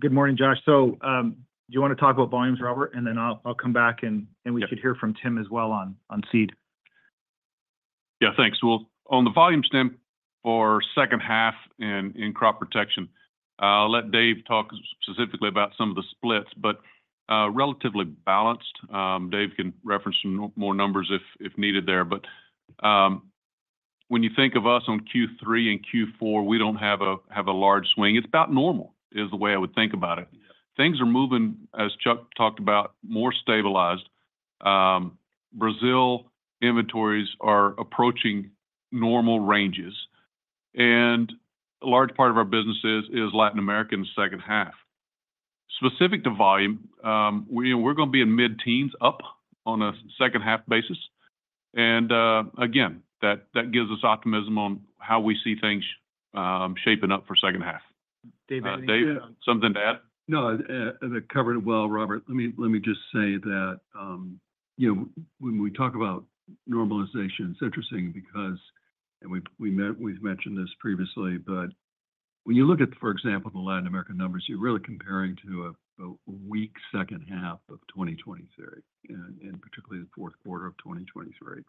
Good morning, Josh. So do you want to talk about volumes, Robert? And then I'll come back, and we should hear from Tim as well on Seed. Yeah. Thanks. Well, on the volume standpoint for second half in crop protection, I'll let Dave talk specifically about some of the splits, but relatively balanced. Dave can reference more numbers if needed there. But when you think of us on Q3 and Q4, we don't have a large swing. It's about normal is the way I would think about it. Things are moving, as Chuck talked about, more stabilized. Brazil inventories are approaching normal ranges, and a large part of our business is Latin America in the second half. Specific to volume, we're going to be in mid-teens up on a second half basis. And again, that gives us optimism on how we see things shaping up for second half. David, anything else? Dave, something to add? No, I covered it well, Robert. Let me just say that when we talk about normalization, it's interesting because we've mentioned this previously, but when you look at, for example, the Latin American numbers, you're really comparing to a weak second half of 2023, and particularly the fourth quarter of 2023.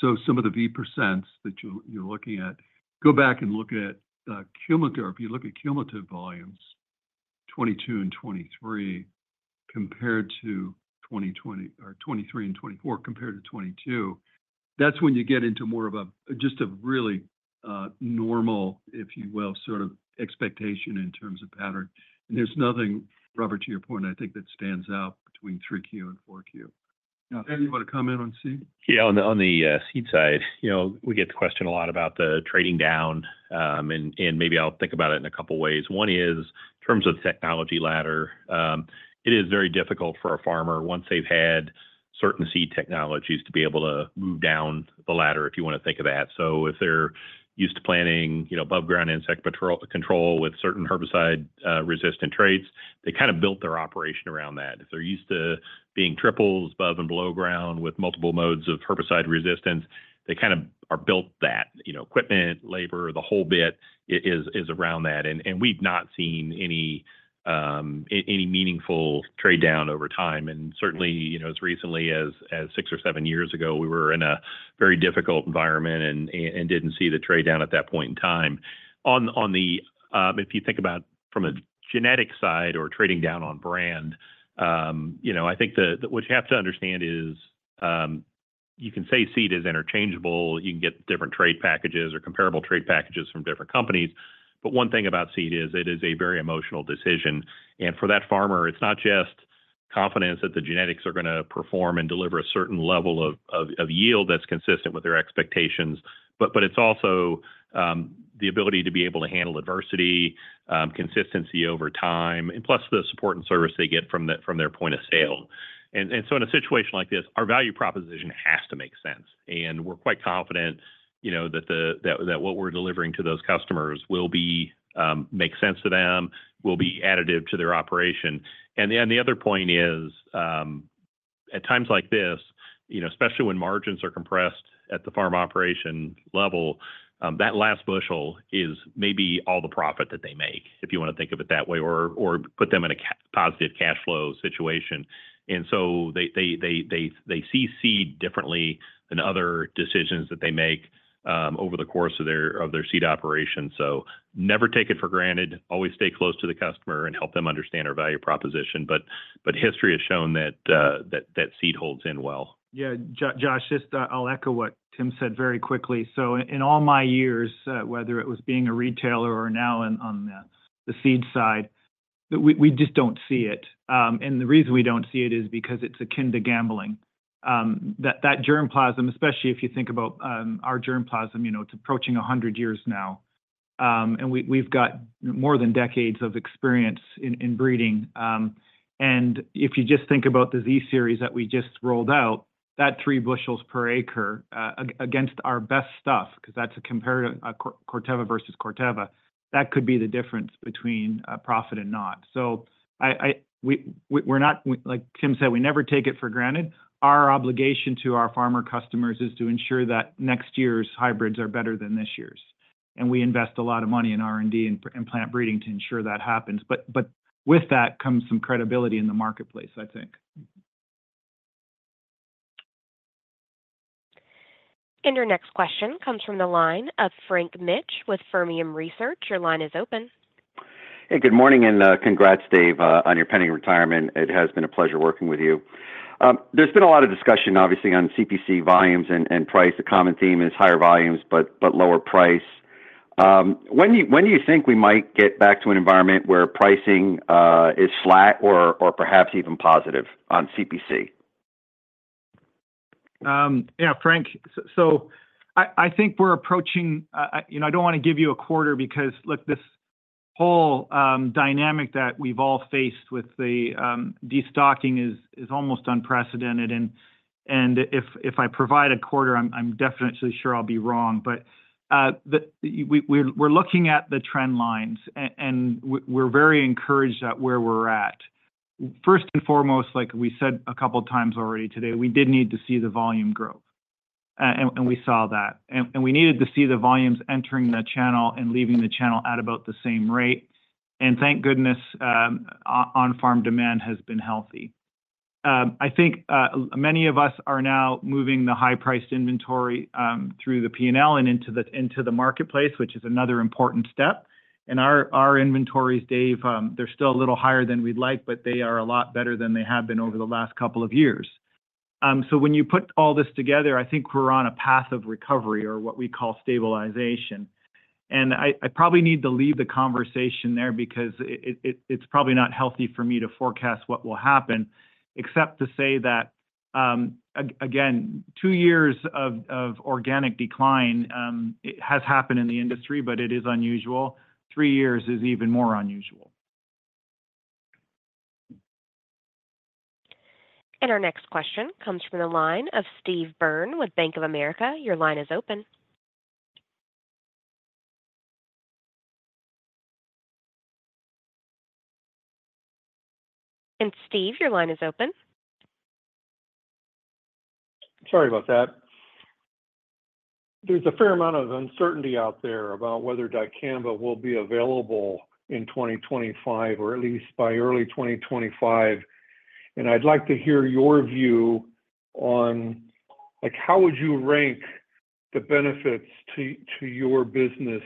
So some of the V percents that you're looking at, go back and look at Cumulative. If you look at cumulative volumes, 2022 and 2023 compared to 2023 and 2024 compared to 2022, that's when you get into more of just a really normal, if you will, sort of expectation in terms of pattern. And there's nothing, Robert, to your point, I think that stands out between Q3 and Q44. Anybody come in on Seed? Yeah. On the Seed side, we get the question a lot about the trading down, and maybe I'll think about it in a couple of ways. One is in terms of technology ladder, it is very difficult for a farmer once they've had certain Seed technologies to be able to move down the ladder, if you want to think of that. So if they're used to planting above-ground insect control with certain herbicide-resistant traits, they kind of built their operation around that. If they're used to being triples, above and below ground with multiple modes of herbicide resistance, they kind of are built that. Equipment, labor, the whole bit is around that. And we've not seen any meaningful trade down over time. Certainly, as recently as six or seven years ago, we were in a very difficult environment and didn't see the trade down at that point in time. If you think about from a genetic side or trading down on brand, I think what you have to understand is you can say Seed is interchangeable. You can get different trade packages or comparable trade packages from different companies. But one thing about Seed is it is a very emotional decision. And for that farmer, it's not just confidence that the genetics are going to perform and deliver a certain level of yield that's consistent with their expectations, but it's also the ability to be able to handle adversity, consistency over time, and plus the support and service they get from their point of sale. And so in a situation like this, our value proposition has to make sense. And we're quite confident that what we're delivering to those customers will make sense to them, will be additive to their operation. And the other point is, at times like this, especially when margins are compressed at the farm operation level, that last bushel is maybe all the profit that they make, if you want to think of it that way or put them in a positive cash flow situation. And so they see Seed differently than other decisions that they make over the course of their Seed operation. So never take it for granted. Always stay close to the customer and help them understand our value proposition. But history has shown that Seed holds in well. Yeah. Josh, just I'll echo what Tim said very quickly. So in all my years, whether it was being a retailer or now on the Seed side, we just don't see it. The reason we don't see it is because it's akin to gambling. That germplasm, especially if you think about our germplasm, it's approaching 100 years now. We've got more than decades of experience in breeding. If you just think about the Z Series that we just rolled out, that three bushels per acre against our best stuff, because that's a Corteva versus Corteva, that could be the difference between profit and not. So like Tim said, we never take it for granted. Our obligation to our farmer customers is to ensure that next year's hybrids are better than this year's. We invest a lot of money in R&D and plant breeding to ensure that happens. But with that comes some credibility in the marketplace, I think. Your next question comes from the line of Frank Mitsch with Fermium Research. Your line is open. Hey, good morning and congrats, Dave, on your pending retirement. It has been a pleasure working with you. There's been a lot of discussion, obviously, on CPC volumes and price. The common theme is higher volumes but lower price. When do you think we might get back to an environment where pricing is flat or perhaps even positive on CPC? Yeah, Frank, so I think we're approaching. I don't want to give you a quarter because, look, this whole dynamic that we've all faced with the destocking is almost unprecedented. And if I provide a quarter, I'm definitely sure I'll be wrong. But we're looking at the trend lines, and we're very encouraged at where we're at. First and foremost, like we said a couple of times already today, we did need to see the volume growth. We saw that. And we needed to see the volumes entering the channel and leaving the channel at about the same rate. And thank goodness on-farm demand has been healthy. I think many of us are now moving the high-priced inventory through the P&L and into the marketplace, which is another important step. And our inventories, Dave, they're still a little higher than we'd like, but they are a lot better than they have been over the last couple of years. So when you put all this together, I think we're on a path of recovery or what we call stabilization. And I probably need to leave the conversation there because it's probably not healthy for me to forecast what will happen, except to say that, again, two years of organic decline has happened in the industry, but it is unusual. Three years is even more unusual. Our next question comes from the line of Steve Byrne with Bank of America. Your line is open. And Steve, your line is open. Sorry about that. There's a fair amount of uncertainty out there about whether dicamba will be available in 2025 or at least by early 2025. I'd like to hear your view on how would you rank the benefits to your business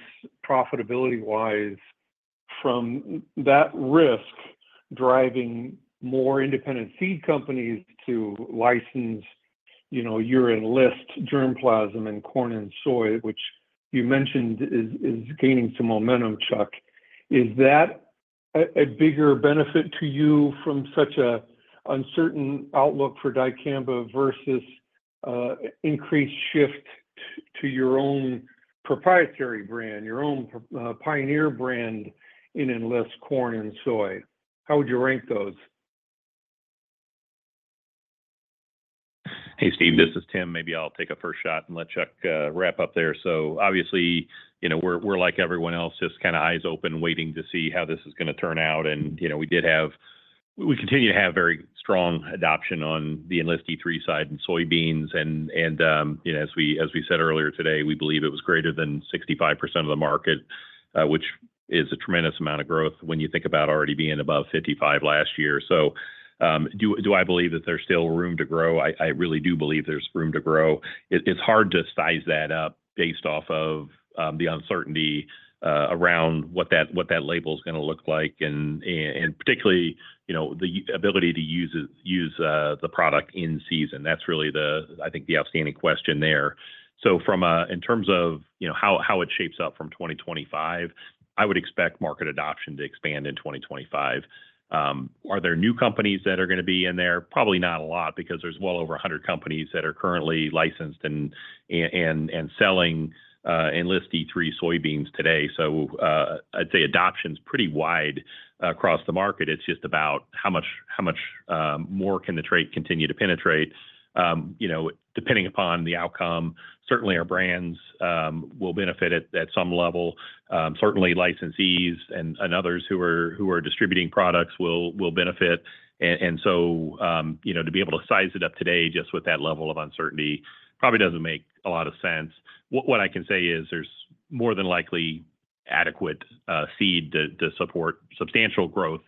profitability-wise from that risk driving more independent Seed companies to license your Enlist germplasm in corn and soy, which you mentioned is gaining some momentum, Chuck. Is that a bigger benefit to you from such an uncertain outlook for dicamba versus increased shift to your own proprietary brand, your own Pioneer brand in Enlist corn and soy? How would you rank those? Hey, Steve, this is Tim. Maybe I'll take a first shot and let Chuck wrap up there. So obviously, we're like everyone else, just kind of eyes open, waiting to see how this is going to turn out. And we continue to have very strong adoption on the Enlist E3 side in soybeans. And as we said earlier today, we believe it was greater than 65% of the market, which is a tremendous amount of growth when you think about already being above 55% last year. So do I believe that there's still room to grow? I really do believe there's room to grow. It's hard to size that up based off of the uncertainty around what that label is going to look like, and particularly the ability to use the product in season. That's really, I think, the outstanding question there. So in terms of how it shapes up from 2025, I would expect market adoption to expand in 2025. Are there new companies that are going to be in there? Probably not a lot because there's well over 100 companies that are currently licensed and selling Enlist E3 soybeans today. So I'd say adoption is pretty wide across the market. It's just about how much more can the trade continue to penetrate depending upon the outcome. Certainly, our brands will benefit at some level. Certainly, licensees and others who are distributing products will benefit. And so to be able to size it up today just with that level of uncertainty probably doesn't make a lot of sense. What I can say is there's more than likely adequate Seed to support substantial growth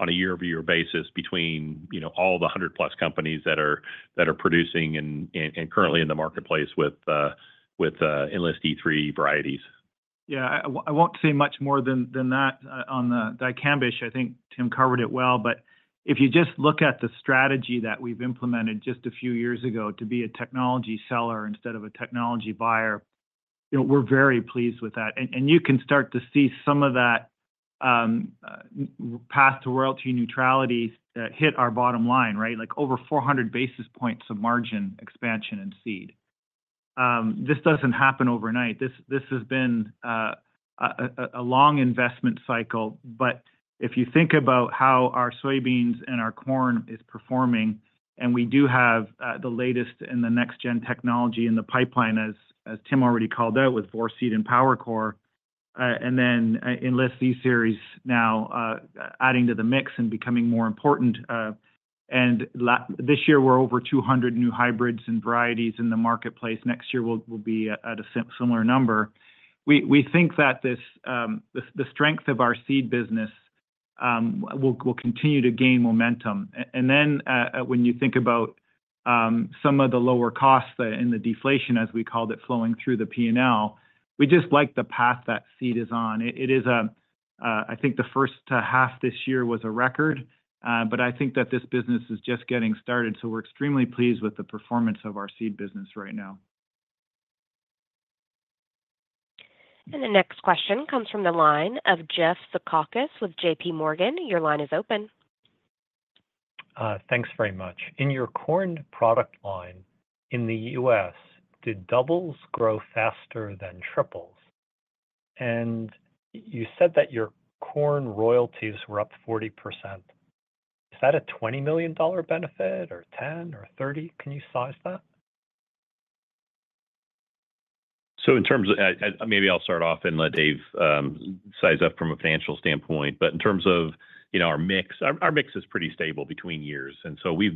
on a year-over-year basis between all the 100+ that are producing and currently in the marketplace with Enlist E3 varieties. Yeah. I won't say much more than that on the dicamba. I think Tim covered it well. But if you just look at the strategy that we've implemented just a few years ago to be a technology seller instead of a technology buyer, we're very pleased with that. And you can start to see some of that path to royalty neutrality hit our bottom line, right? Like over 400 basis points of margin expansion in Seed. This doesn't happen overnight. This has been a long investment cycle. But if you think about how our soybeans and our corn is performing, and we do have the latest in the next-gen technology in the pipeline, as Tim already called out, with Four Seed and PowerCore, and then Enlist Z Series now adding to the mix and becoming more important. And this year, we're over 200 new hybrids and varieties in the marketplace. Next year, we'll be at a similar number. We think that the strength of our Seed business will continue to gain momentum. And then when you think about some of the lower costs and the deflation, as we called it, flowing through the P&L, we just like the path that Seed is on. It is, I think, the first half this year was a record. But I think that this business is just getting started. So we're extremely pleased with the performance of our Seed business right now. And the next question comes from the line of Jeff Zekauskas with JP Morgan. Your line is open. Thanks very much. In your corn product line in the U.S., did doubles grow faster than triples? And you said that your corn royalties were up 40%. Is that a $20 million benefit or $10 million or $30 million? Can you size that? So in terms of maybe I'll start off and let Dave size up from a financial standpoint. But in terms of our mix, our mix is pretty stable between years. And so we've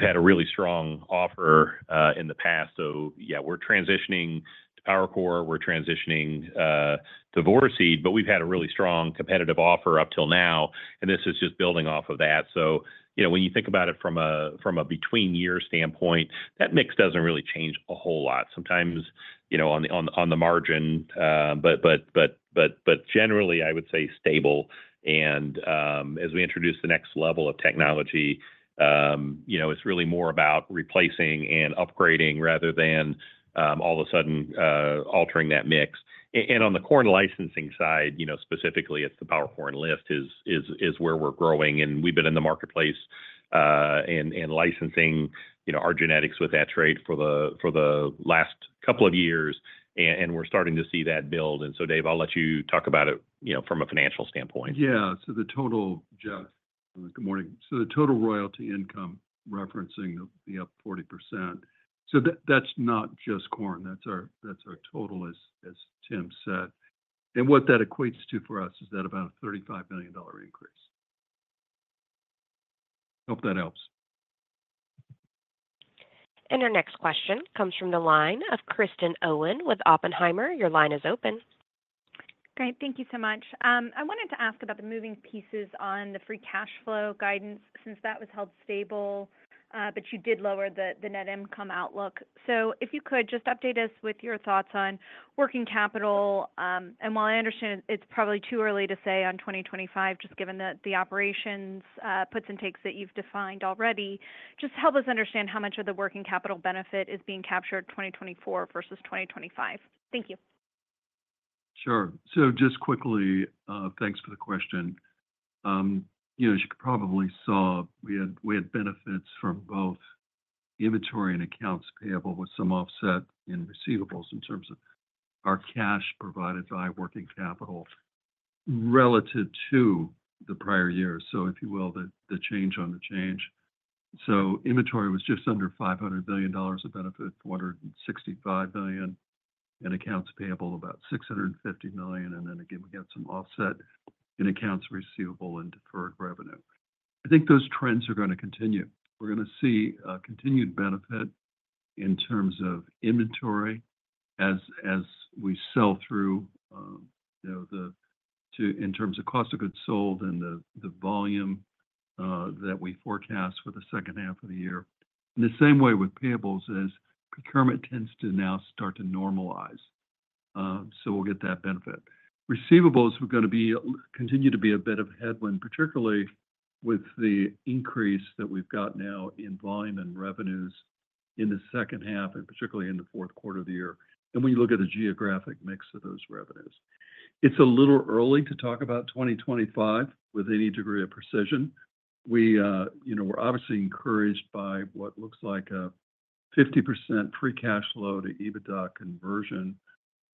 had a really strong offer in the past. So yeah, we're transitioning to PowerCore. We're transitioning to Four Seed. But we've had a really strong competitive offer up till now. And this is just building off of that. So when you think about it from a between-year standpoint, that mix doesn't really change a whole lot. Sometimes on the margin. But generally, I would say stable. And as we introduce the next level of technology, it's really more about replacing and upgrading rather than all of a sudden altering that mix. And on the corn licensing side, specifically, it's the PowerCore Enlist is where we're growing. And we've been in the marketplace and licensing our genetics with that trait for the last couple of years. And we're starting to see that build. And so, Dave, I'll let you talk about it from a financial standpoint. Yeah. So the total, Jeff, good morning. So the total royalty income referencing the up 40%. So that's not just corn. That's our total as Tim said. And what that equates to for us is that's about a $35 million increase. Hope that helps. And our next question comes from the line of Kristen Owen with Oppenheimer. Your line is open. Great. Thank you so much. I wanted to ask about the moving pieces on the free cash flow guidance since that was held stable, but you did lower the net income outlook. So if you could just update us with your thoughts on working capital. While I understand it's probably too early to say on 2025, just given the operations puts and takes that you've defined already, just help us understand how much of the working capital benefit is being captured 2024 versus 2025? Thank you. Sure. So just quickly, thanks for the question. As you probably saw, we had benefits from both inventory and accounts payable with some offset in receivables in terms of our cash provided by working capital relative to the prior year. So if you will, the change on the change. So inventory was just under $500 million of benefit, $465 million, and accounts payable about $650 million. And then again, we had some offset in accounts receivable and deferred revenue. I think those trends are going to continue. We're going to see continued benefit in terms of inventory as we sell through the inventory in terms of cost of goods sold and the volume that we forecast for the second half of the year. In the same way with payables, as procurement tends to now start to normalize. So we'll get that benefit. Receivables are going to continue to be a bit of a headwind, particularly with the increase that we've got now in volume and revenues in the second half, and particularly in the fourth quarter of the year. And when you look at the geographic mix of those revenues, it's a little early to talk about 2025 with any degree of precision. We're obviously encouraged by what looks like a 50% free cash flow to EBITDA conversion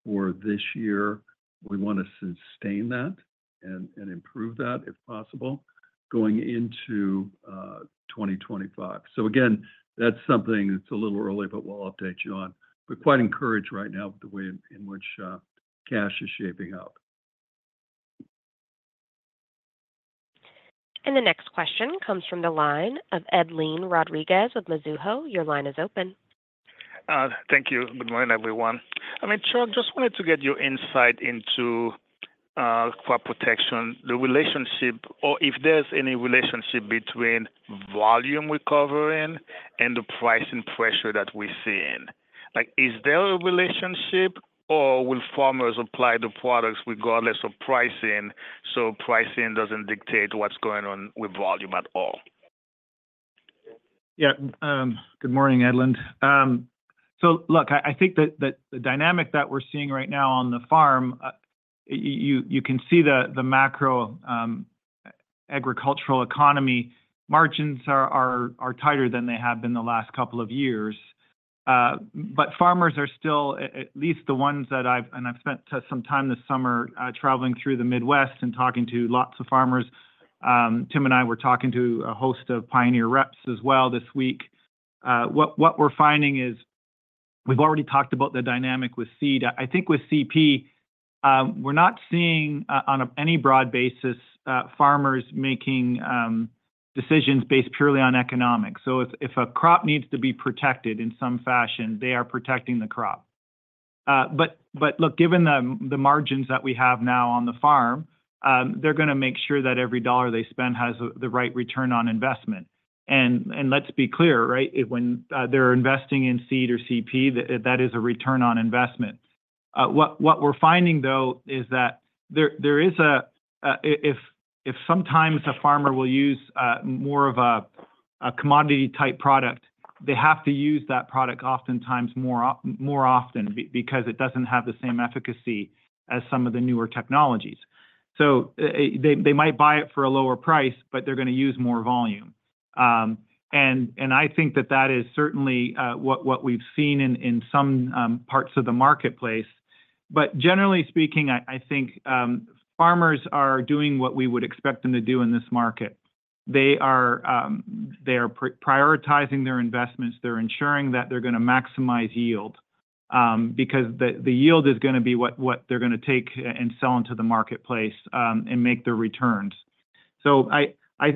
for this year. We want to sustain that and improve that if possible going into 2025. So again, that's something that's a little early, but we'll update you on. We're quite encouraged right now with the way in which cash is shaping up. And the next question comes from the line of Edlain Rodriguez with Mizuho. Your line is open. Thank you. Good morning, everyone. I mean, Chuck, just wanted to get your insight into crop protection, the relationship, or if there's any relationship between volume recovering and the pricing pressure that we're seeing. Is there a relationship, or will farmers apply the products regardless of pricing so pricing doesn't dictate what's going on with volume at all? Yeah. Good morning, Edlain. So look, I think that the dynamic that we're seeing right now on the farm, you can see the macro agricultural economy margins are tighter than they have been the last couple of years. But farmers are still, at least the ones that I've spent some time this summer traveling through the Midwest and talking to lots of farmers. Tim and I were talking to a host of Pioneer reps as well this week. What we're finding is we've already talked about the dynamic with Seed. I think with CP, we're not seeing on any broad basis farmers making decisions based purely on economics. So if a crop needs to be protected in some fashion, they are protecting the crop. But look, given the margins that we have now on the farm, they're going to make sure that every dollar they spend has the right return on investment. And let's be clear, right? When they're investing in Seed or CP, that is a return on investment. What we're finding, though, is that there is—if sometimes a farmer will use more of a commodity-type product, they have to use that product oftentimes more often because it doesn't have the same efficacy as some of the newer technologies. So they might buy it for a lower price, but they're going to use more volume. And I think that that is certainly what we've seen in some parts of the marketplace. But generally speaking, I think farmers are doing what we would expect them to do in this market. They are prioritizing their investments. They're ensuring that they're going to maximize yield because the yield is going to be what they're going to take and sell into the marketplace and make their returns. So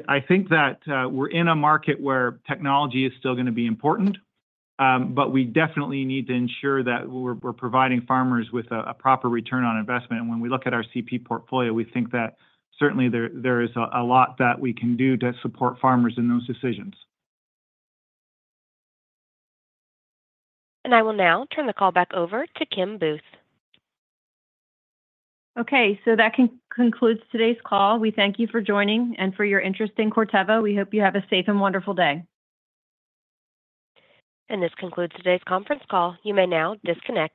I think that we're in a market where technology is still going to be important, but we definitely need to ensure that we're providing farmers with a proper return on investment. And when we look at our CP portfolio, we think that certainly there is a lot that we can do to support farmers in those decisions. And I will now turn the call back over to Kim Booth. Okay. So that concludes today's call. We thank you for joining and for your interest in Corteva. We hope you have a safe and wonderful day. And this concludes today's conference call. You may now disconnect.